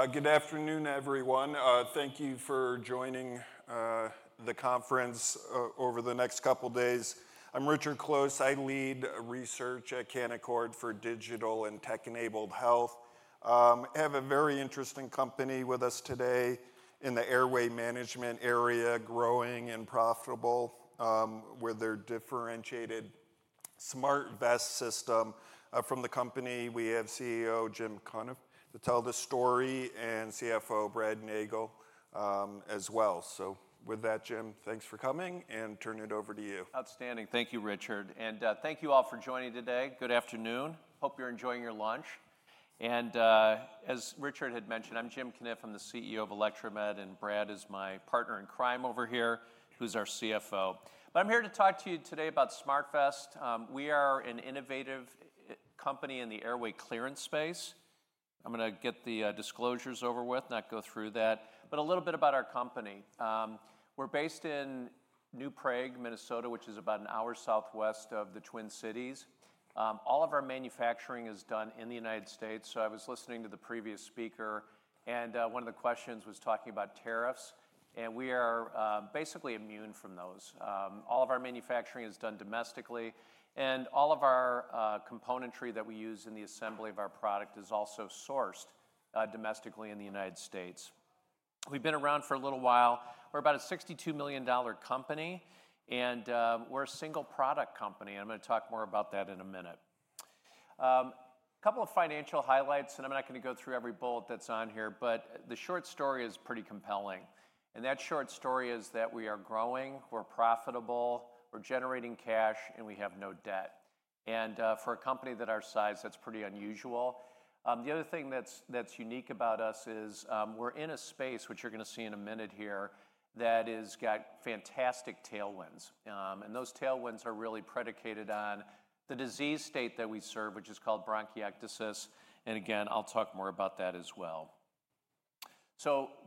Great. Good afternoon, everyone. Thank you for joining the conference over the next couple of days. I'm Richard Close. I lead Research at Canaccord for Digital and Tech-Enabled Health. I have a very interesting company with us today in the airway management area, growing and profitable, with their differentiated SmartVest system. From the company, we have CEO Jim Cunniff to tell the story and CFO Brad Nagel as well. With that, Jim, thanks for coming and turning it over to you. Outstanding. Thank you, Richard. Thank you all for joining today. Good afternoon. Hope you're enjoying your lunch. As Richard had mentioned, I'm Jim Cunniff. I'm the CEO of Electromed, and Brad is my partner in crime over here, who's our CFO. I'm here to talk to you today about SmartVest. We are an innovative company in the airway clearance space. I'm going to get the disclosures over with, not go through that, but a little bit about our company. We're based in New Prague, Minnesota, which is about an hour southwest of the Twin Cities. All of our manufacturing is done in the United States. I was listening to the previous speaker, and one of the questions was talking about tariffs. We are basically immune from those. All of our manufacturing is done domestically, and all of our componentry that we use in the assembly of our product is also sourced domestically in the United States. We've been around for a little while. We're about a $62 million company, and we're a single product company. I'm going to talk more about that in a minute. A couple of financial highlights, and I'm not going to go through every bullet that's on here, but the short story is pretty compelling. That short story is that we are growing, we're profitable, we're generating cash, and we have no debt. For a company our size, that's pretty unusual. The other thing that's unique about us is we're in a space, which you're going to see in a minute here, that has got fantastic tailwinds. Those tailwinds are really predicated on the disease state that we serve, which is called bronchiectasis. I'll talk more about that as well.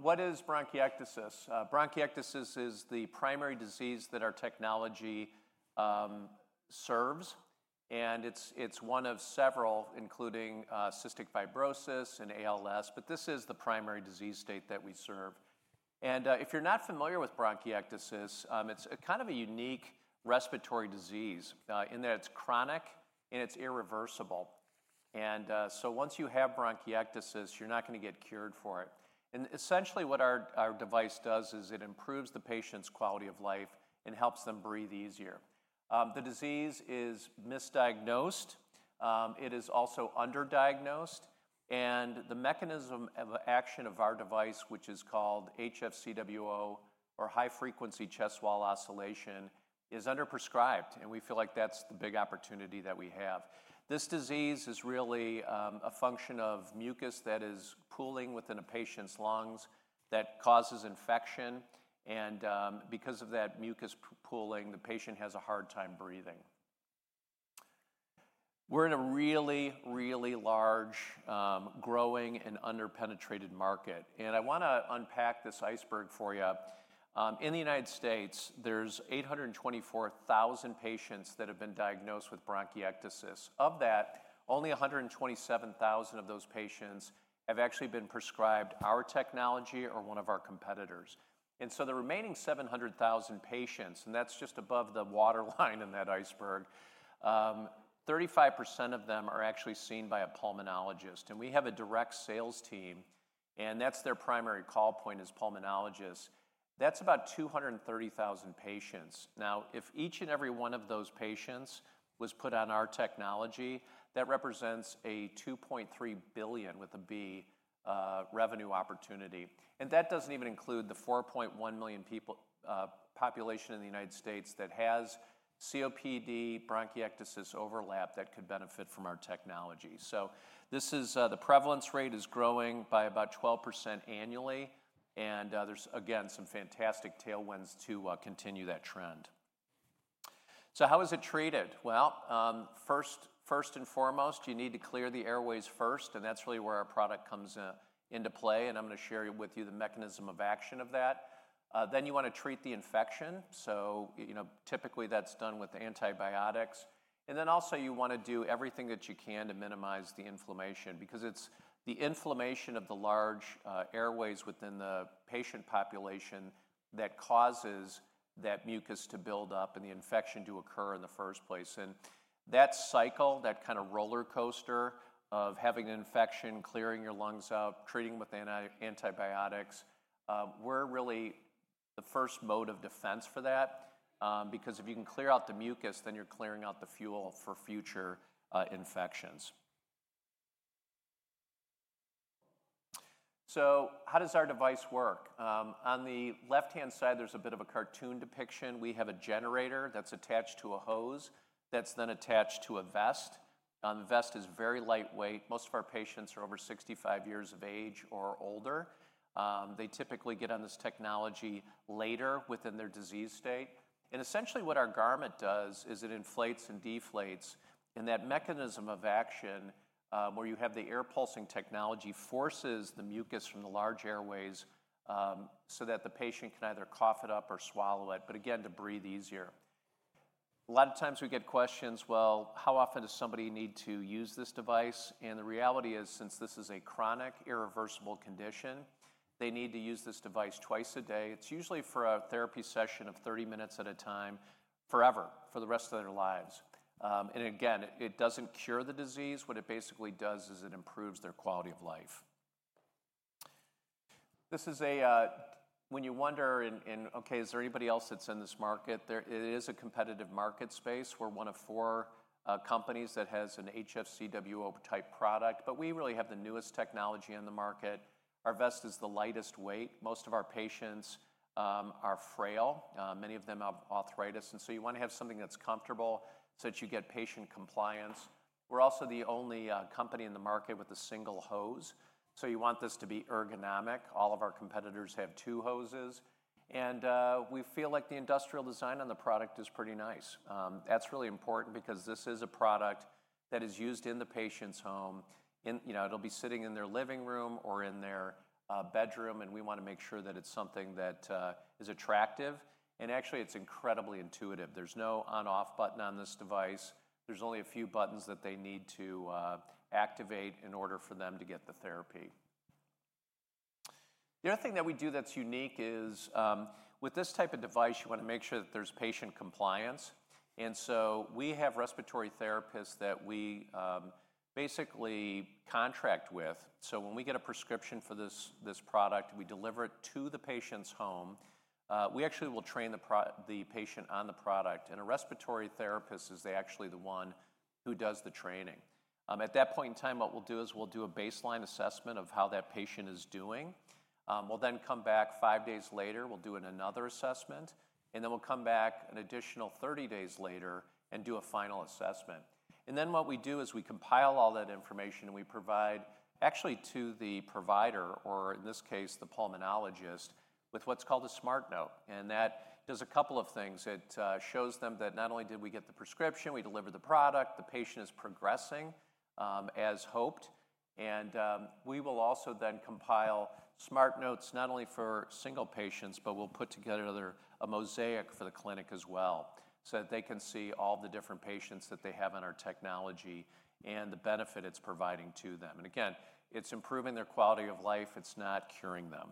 What is bronchiectasis? Bronchiectasis is the primary disease that our technology serves. It's one of several, including cystic fibrosis and ALS. This is the primary disease state that we serve. If you're not familiar with bronchiectasis, it's kind of a unique respiratory disease, in that it's chronic and it's irreversible. Once you have bronchiectasis, you're not going to get cured for it. Essentially what our device does is it improves the patient's quality of life and helps them breathe easier. The disease is misdiagnosed. It is also underdiagnosed. The mechanism of action of our device, which is called HFCWO, or high-frequency chest wall oscillation, is underprescribed. We feel like that's the big opportunity that we have. This disease is really a function of mucus that is pooling within a patient's lungs that causes infection. Because of that mucus pooling, the patient has a hard time breathing. We're in a really, really large, growing and underpenetrated market. I want to unpack this iceberg for you. In the United States, there's 824,000 patients that have been diagnosed with bronchiectasis. Of that, only 127,000 of those patients have actually been prescribed our technology or one of our competitors. The remaining 700,000 patients, and that's just above the waterline in that iceberg, 35% of them are actually seen by a pulmonologist. We have a direct sales team, and that's their primary call point is pulmonologists. That's about 230,000 patients. If each and every one of those patients was put on our technology, that represents a $2.3 billion, with a B, revenue opportunity. That doesn't even include the 4.1 million people, population in the United States that has COPD, bronchiectasis overlap that could benefit from our technology. The prevalence rate is growing by about 12% annually. There are, again, some fantastic tailwinds to continue that trend. How is it treated? First and foremost, you need to clear the airways first. That's really where our product comes into play. I'm going to share with you the mechanism of action of that. Then you want to treat the infection. Typically that's done with antibiotics. You also want to do everything that you can to minimize the inflammation because it's the inflammation of the large airways within the patient population that causes that mucus to build up and the infection to occur in the first place. That cycle, that kind of roller coaster of having an infection, clearing your lungs out, treating with antibiotics, we're really the first mode of defense for that. If you can clear out the mucus, then you're clearing out the fuel for future infections. How does our device work? On the left-hand side, there's a bit of a cartoon depiction. We have a generator that's attached to a hose that's then attached to a vest. The vest is very lightweight. Most of our patients are over 65 years of age or older. They typically get on this technology later within their disease state. Essentially what our garment does is it inflates and deflates. That mechanism of action, where you have the air pulsing technology, forces the mucus from the large airways so that the patient can either cough it up or swallow it, to breathe easier. A lot of times we get questions, well, how often does somebody need to use this device? The reality is, since this is a chronic irreversible condition, they need to use this device twice a day. It's usually for a therapy session of 30 minutes at a time, forever, for the rest of their lives. It doesn't cure the disease. What it basically does is it improves their quality of life. When you wonder, okay, is there anybody else that's in this market? It is a competitive market space. We're one of four companies that has an HFCWO type product, but we really have the newest technology on the market. Our vest is the lightest weight. Most of our patients are frail. Many of them have arthritis, and you want to have something that's comfortable so that you get patient compliance. We're also the only company in the market with a single hose. You want this to be ergonomic. All of our competitors have two hoses. We feel like the industrial design on the product is pretty nice. That's really important because this is a product that is used in the patient's home. It will be sitting in their living room or in their bedroom, and we want to make sure that it's something that is attractive. Actually, it's incredibly intuitive. There's no on-off button on this device. There are only a few buttons that they need to activate in order for them to get the therapy. The other thing that we do that's unique is, with this type of device, you want to make sure that there's patient compliance. We have respiratory therapists that we basically contract with. When we get a prescription for this product, we deliver it to the patient's home. We actually will train the patient on the product, and a respiratory therapist is actually the one who does the training. At that point in time, what we'll do is we'll do a baseline assessment of how that patient is doing. We'll then come back five days later, do another assessment, and then we'll come back an additional 30 days later and do a final assessment. Then what we do is we compile all that information and we provide, actually, to the provider, or in this case, the pulmonologist, what's called a SmartNote. That does a couple of things. It shows them that not only did we get the prescription, we delivered the product, the patient is progressing as hoped. We will also then compile SmartNotes not only for single patients, but we'll put together a mosaic for the clinic as well so that they can see all the different patients that they have in our technology and the benefit it's providing to them. It's improving their quality of life. It's not curing them.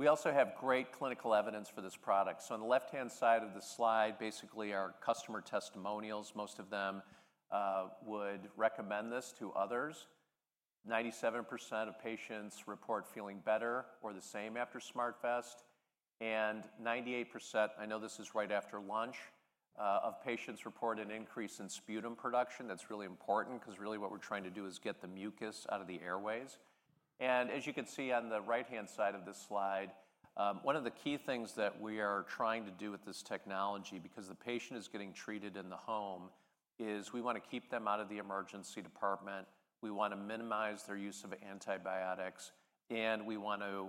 We also have great clinical evidence for this product. On the left-hand side of the slide, basically our customer testimonials, most of them would recommend this to others. 97% of patients report feeling better or the same after SmartVest, and 98%, I know this is right after lunch, of patients report an increase in sputum production. That's really important because really what we're trying to do is get the mucus out of the airways. As you can see on the right-hand side of this slide, one of the key things that we are trying to do with this technology, because the patient is getting treated in the home, is we want to keep them out of the emergency department. We want to minimize their use of antibiotics. We want to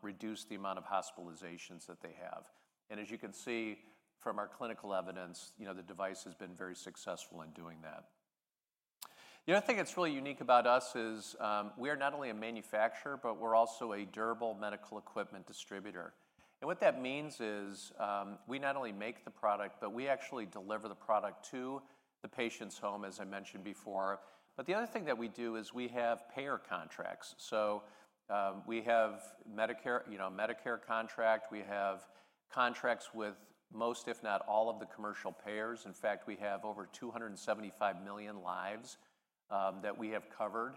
reduce the amount of hospitalizations that they have. As you can see from our clinical evidence, the device has been very successful in doing that. The other thing that's really unique about us is we are not only a manufacturer, but we're also a durable medical equipment distributor. What that means is we not only make the product, but we actually deliver the product to the patient's home, as I mentioned before. The other thing that we do is we have payer contracts. We have Medicare, you know, a Medicare contract. We have contracts with most, if not all, of the commercial payers. In fact, we have over 275 million lives that we have covered.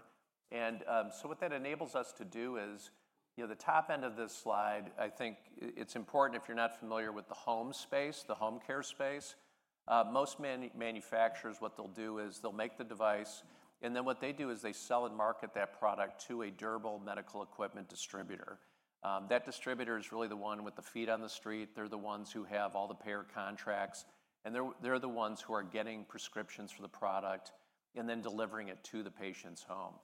What that enables us to do is, you know, the top end of this slide, I think it's important if you're not familiar with the home space, the home care space. Most manufacturers, what they'll do is they'll make the device. What they do is they sell and market that product to a durable medical equipment distributor. That distributor is really the one with the feet on the street. They're the ones who have all the payer contracts. They're the ones who are getting prescriptions for the product and then delivering it to the patient's home.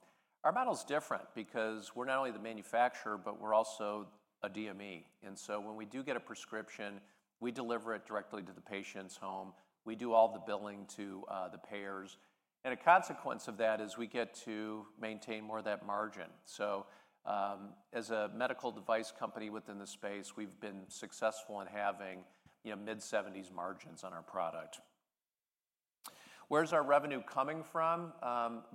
Our model is different because we're not only the manufacturer, but we're also a DME. When we do get a prescription, we deliver it directly to the patient's home. We do all the billing to the payers, and a consequence of that is we get to maintain more of that margin. As a medical device company within the space, we've been successful in having, you know, mid-70% margins on our product. Where's our revenue coming from?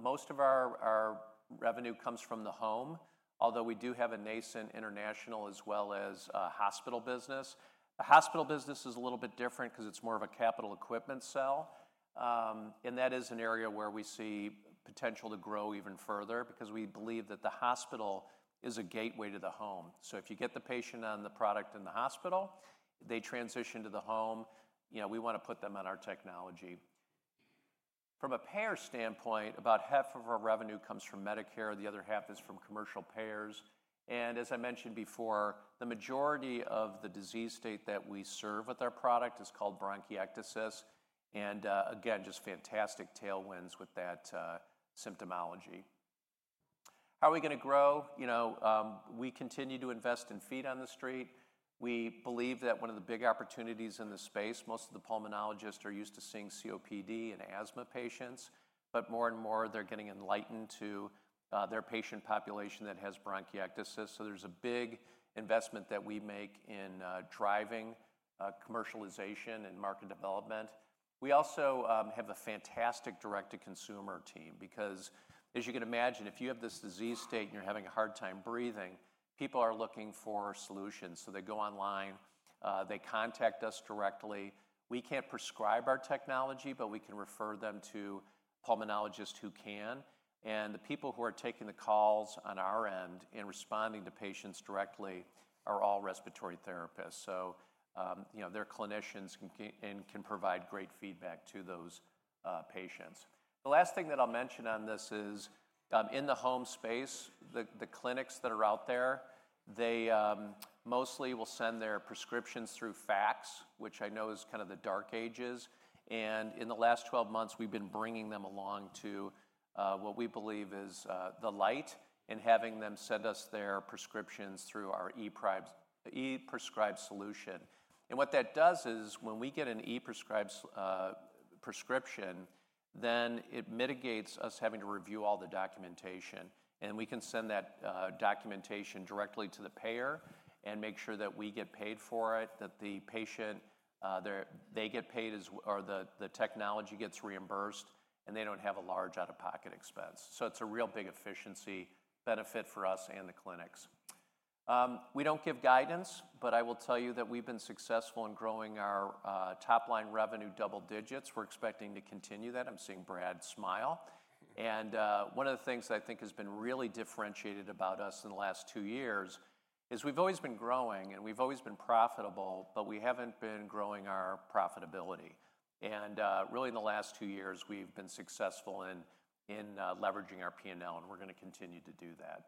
Most of our revenue comes from the home, although we do have a nascent international as well as a hospital business. A hospital business is a little bit different because it's more of a capital equipment sell, and that is an area where we see potential to grow even further because we believe that the hospital is a gateway to the home. If you get the patient on the product in the hospital, they transition to the home. We want to put them on our technology. From a payer standpoint, about half of our revenue comes from Medicare. The other half is from commercial payers. As I mentioned before, the majority of the disease state that we serve with our product is called bronchiectasis, and, again, just fantastic tailwinds with that symptomology. How are we going to grow? We continue to invest in feet on the street. We believe that one of the big opportunities in this space, most of the pulmonologists are used to seeing COPD and asthma patients, but more and more, they're getting enlightened to their patient population that has bronchiectasis. There's a big investment that we make in driving commercialization and market development. We also have a fantastic direct-to-consumer team because, as you can imagine, if you have this disease state and you're having a hard time breathing, people are looking for solutions. They go online, they contact us directly. We can't prescribe our technology, but we can refer them to pulmonologists who can. The people who are taking the calls on our end and responding to patients directly are all respiratory therapists, so they're clinicians and can provide great feedback to those patients. The last thing that I'll mention on this is, in the home space, the clinics that are out there mostly will send their prescriptions through fax, which I know is kind of the dark ages. In the last 12 months, we've been bringing them along to what we believe is the light and having them send us their prescriptions through our e-prescribed solution. What that does is when we get an e-prescribed prescription, it mitigates us having to review all the documentation. We can send that documentation directly to the payer and make sure that we get paid for it, that the patient, they get paid as, or the technology gets reimbursed, and they don't have a large out-of-pocket expense. It's a real big efficiency benefit for us and the clinics. We don't give guidance, but I will tell you that we've been successful in growing our top-line revenue double digits. We're expecting to continue that. I'm seeing Brad smile. One of the things that I think has been really differentiated about us in the last two years is we've always been growing and we've always been profitable, but we haven't been growing our profitability. Really in the last two years, we've been successful in leveraging our P&L, and we're going to continue to do that.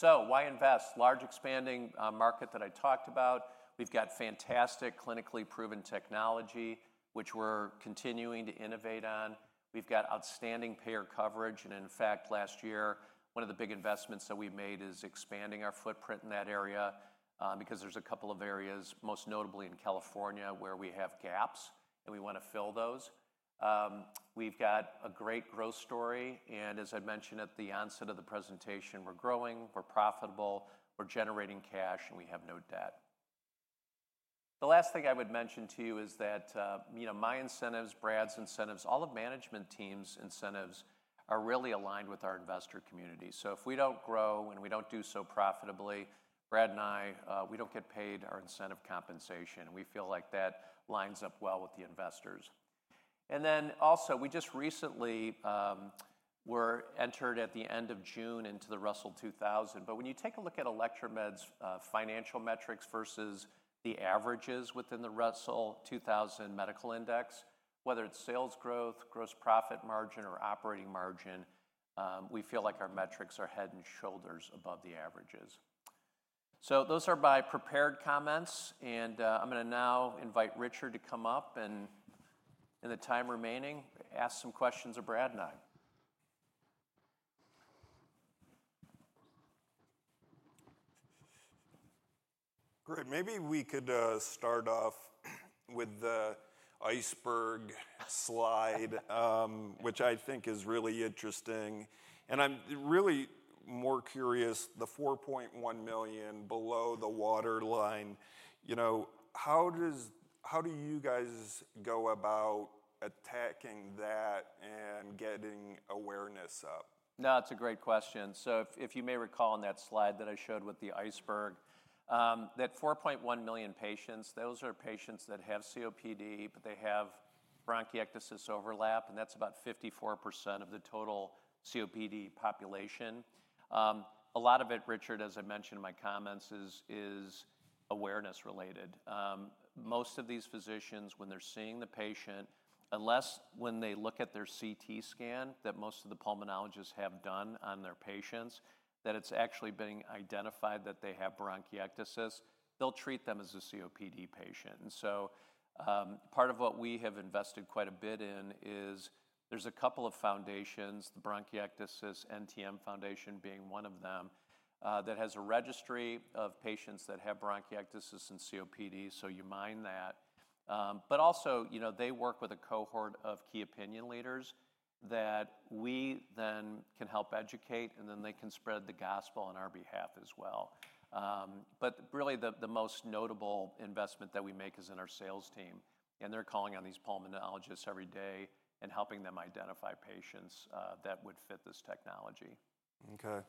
Why invest? Large expanding market that I talked about. We've got fantastic clinically proven technology, which we're continuing to innovate on. We've got outstanding payer coverage. In fact, last year, one of the big investments that we made is expanding our footprint in that area, because there's a couple of areas, most notably in California, where we have gaps and we want to fill those. We've got a great growth story. As I mentioned at the onset of the presentation, we're growing, we're profitable, we're generating cash, and we have no debt. The last thing I would mention to you is that my incentives, Brad's incentives, all of management team's incentives are really aligned with our investor community. If we don't grow and we don't do so profitably, Brad and I, we don't get paid our incentive compensation. We feel like that lines up well with the investors. We just recently were entered at the end of June into the Russell 2000. When you take a look at Electromed's financial metrics versus the averages within the Russell 2000 Medical Index, whether it's sales growth, gross profit margin, or operating margin, we feel like our metrics are head and shoulders above the averages. Those are my prepared comments. I'm going to now invite Richard to come up and, in the time remaining, ask some questions of Brad and I. Great. Maybe we could start off with the iceberg slide, which I think is really interesting. I'm really more curious, the $4.1 million below the waterline, you know, how do you guys go about attacking that and getting awareness up? No, that's a great question. If you may recall on that slide that I showed with the iceberg, that 4.1 million patients, those are patients that have COPD, but they have bronchiectasis overlap, and that's about 54% of the total COPD population. A lot of it, Richard, as I mentioned in my comments, is awareness related. Most of these physicians, when they're seeing the patient, unless when they look at their CT scan that most of the pulmonologists have done on their patients, that it's actually being identified that they have bronchiectasis, they'll treat them as a COPD patient. Part of what we have invested quite a bit in is there's a couple of foundations, the Bronchiectasis NTM Foundation being one of them, that has a registry of patients that have bronchiectasis and COPD. You mine that, but also, you know, they work with a cohort of key opinion leaders that we then can help educate, and then they can spread the gospel on our behalf as well. Really the most notable investment that we make is in our sales team. They're calling on these pulmonologists every day and helping them identify patients that would fit this technology. Okay.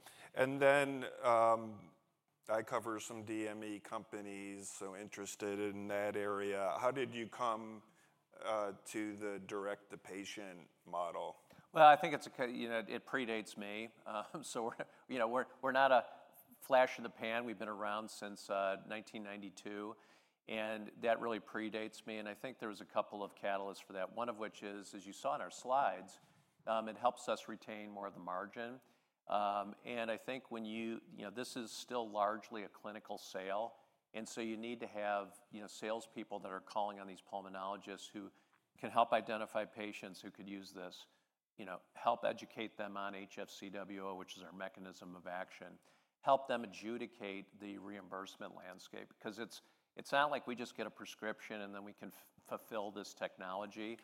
I cover some DME companies, so interested in that area. How did you come to the direct-to-patient model? I think it predates me. We're not a flash in the pan. We've been around since 1992, and that really predates me. I think there was a couple of catalysts for that, one of which is, as you saw in our slides, it helps us retain more of the margin. I think when you, you know, this is still largely a clinical sale, so you need to have salespeople that are calling on these pulmonologists who can help identify patients who could use this, help educate them on HFCWO, which is our mechanism of action, help them adjudicate the reimbursement landscape because it's not like we just get a prescription and then we can fulfill this technology.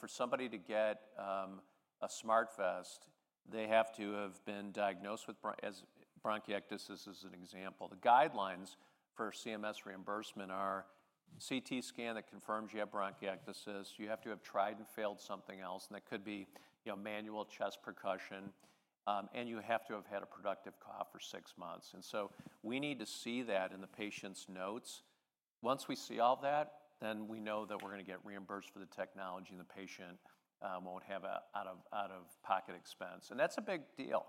For somebody to get a SmartVest, they have to have been diagnosed with bronchiectasis as an example. The guidelines for CMS reimbursement are CT scan that confirms you have bronchiectasis, you have to have tried and failed something else, and that could be manual chest percussion, and you have to have had a productive cough for six months. We need to see that in the patient's notes. Once we see all that, then we know that we're going to get reimbursed for the technology and the patient won't have an out-of-pocket expense. That's a big deal,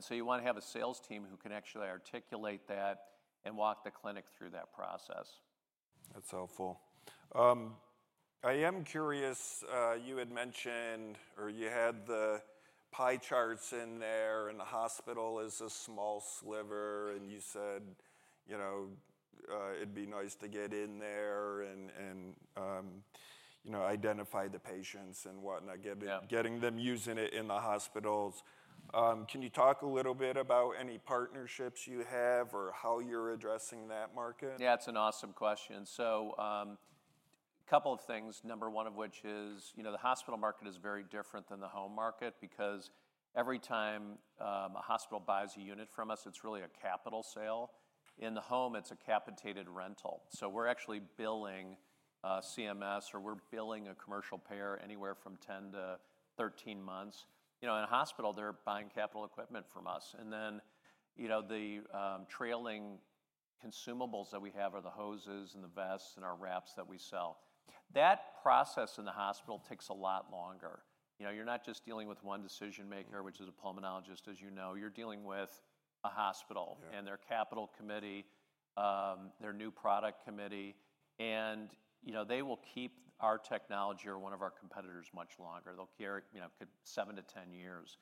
so you want to have a sales team who can actually articulate that and walk the clinic through that process. That's helpful. I am curious, you had mentioned or you had the pie charts in there and the hospital is a small sliver and you said it'd be nice to get in there and identify the patients and whatnot, getting them using it in the hospitals. Can you talk a little bit about any partnerships you have or how you're addressing that market? Yeah, it's an awesome question. A couple of things, number one of which is, you know, the hospital market is very different than the home market because every time a hospital buys a unit from us, it's really a capital sale. In the home, it's a capitated rental. We're actually billing CMS or we're billing a commercial payer anywhere from 10-13 months. In a hospital, they're buying capital equipment from us. The trailing consumables that we have are the hoses and the vests and our wraps that we sell. That process in the hospital takes a lot longer. You're not just dealing with one decision maker, which is a pulmonologist, as you know, you're dealing with a hospital and their capital committee, their new product committee. They will keep our technology or one of our competitors much longer. They'll carry, you know, could be seven to 10 years.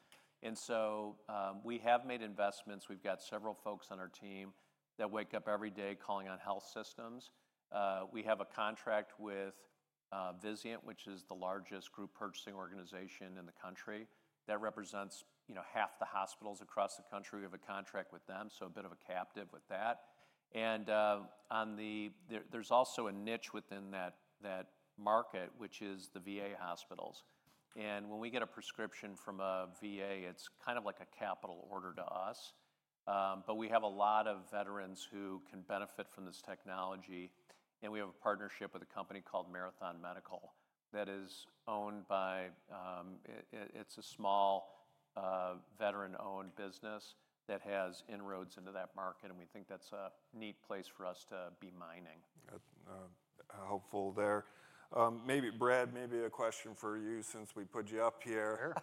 We have made investments. We've got several folks on our team that wake up every day calling on health systems. We have a contract with Vizient, which is the largest group purchasing organization in the country. That represents, you know, half the hospitals across the country. We have a contract with them, so a bit of a captive with that. There's also a niche within that market, which is the VA hospitals. When we get a prescription from a VA, it's kind of like a capital order to us. We have a lot of veterans who can benefit from this technology. We have a partnership with a company called Marathon Medical that is owned by, it's a small, veteran-owned business that has inroads into that market. We think that's a neat place for us to be mining. Helpful there. Maybe Brad, maybe a question for you since we put you up here.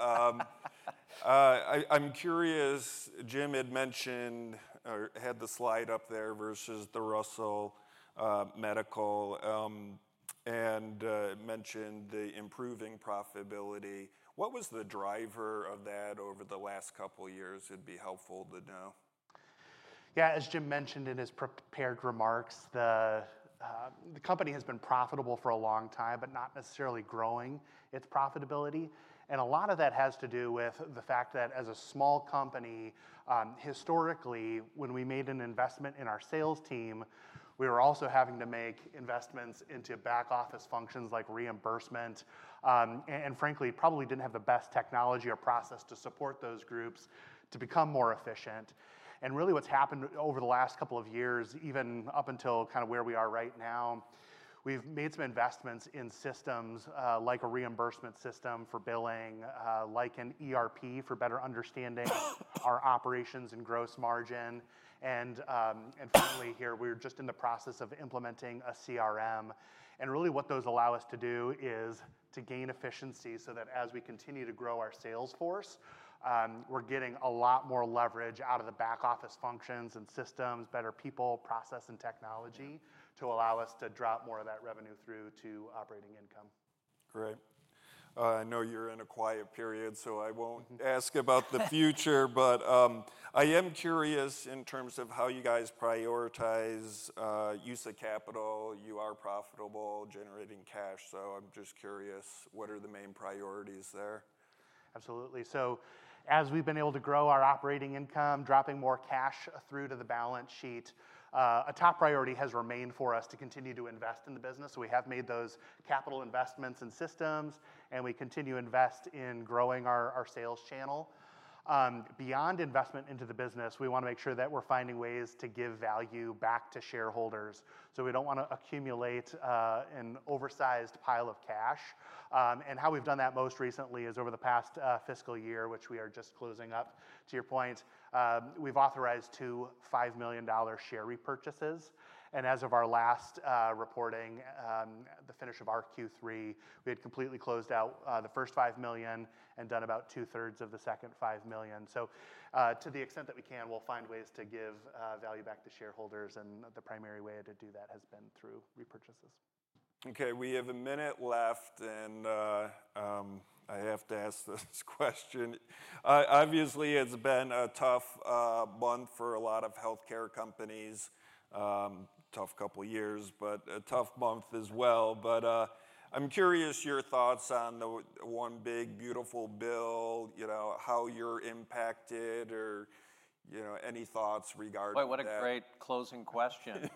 I'm curious, Jim had mentioned or had the slide up there versus the Russell Medical, and mentioned the improving profitability. What was the driver of that over the last couple of years? It'd be helpful to know. Yeah, as Jim mentioned in his prepared remarks, the company has been profitable for a long time, but not necessarily growing its profitability. A lot of that has to do with the fact that as a small company, historically, when we made an investment in our sales team, we were also having to make investments into back office functions like reimbursement. Frankly, probably didn't have the best technology or process to support those groups to become more efficient. Really what's happened over the last couple of years, even up until kind of where we are right now, we've made some investments in systems, like a reimbursement system for billing, like an ERP for better understanding our operations and gross margin. Finally here, we're just in the process of implementing a CRM. What those allow us to do is to gain efficiency so that as we continue to grow our sales force, we're getting a lot more leverage out of the back office functions and systems, better people, process, and technology to allow us to drop more of that revenue through to operating income. Great. I know you're in a quiet period, so I won't ask about the future, but I am curious in terms of how you guys prioritize use of capital. You are profitable, generating cash. I'm just curious, what are the main priorities there? Absolutely. As we've been able to grow our operating income, dropping more cash through to the balance sheet, a top priority has remained for us to continue to invest in the business. We have made those capital investments in systems, and we continue to invest in growing our sales channel. Beyond investment into the business, we want to make sure that we're finding ways to give value back to shareholders. We don't want to accumulate an oversized pile of cash. How we've done that most recently is over the past fiscal year, which we are just closing up to your point, we've authorized two $5 million share repurchases. As of our last reporting, the finish of our Q3, we had completely closed out the first $5 million and done about 2/3 of the second $5 million. To the extent that we can, we'll find ways to give value back to shareholders. The primary way to do that has been through repurchases. Okay. We have a minute left. I have to ask this question. Obviously, it's been a tough month for a lot of healthcare companies, a tough couple of years, but a tough month as well. I'm curious your thoughts on the one big beautiful bill, you know, how you're impacted or any thoughts regarding it. What a great closing question.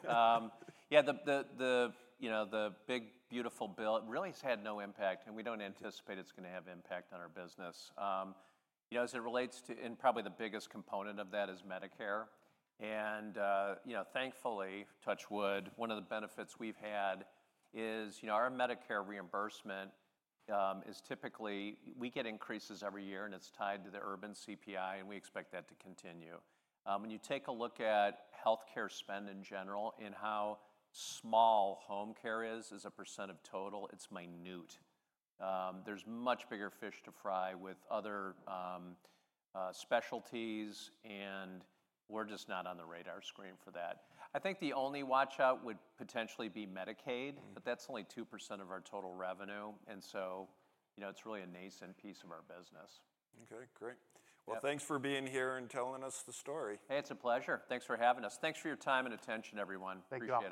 The big beautiful bill really has had no impact, and we don't anticipate it's going to have impact on our business. As it relates to, and probably the biggest component of that is Medicare. Thankfully, touch wood, one of the benefits we've had is our Medicare reimbursement is typically, we get increases every year, and it's tied to the urban CPI, and we expect that to continue. When you take a look at healthcare spend in general and how small home care is as a percent of total, it's minute. There are much bigger fish to fry with other specialties, and we're just not on the radar screen for that. I think the only watch out would potentially be Medicaid, but that's only 2% of our total revenue, and so it's really a nascent piece of our business. Okay, great. Thanks for being here and telling us the story. Hey, it's a pleasure. Thanks for having us. Thanks for your time and attention, everyone. Appreciate it. Take care.